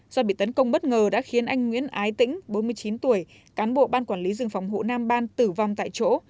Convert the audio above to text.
do bị tấn công bất ngờ đã khiến anh nguyễn ái tĩnh bốn mươi chín tuổi cán bộ ban quản lý rừng phòng hộ nam ban tử vong tại chỗ